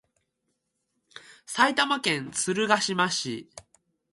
埼玉県鶴ヶ島市